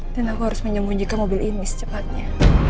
dan aku harus menyembunyikan mobil ini secepatnya